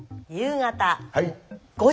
夕方。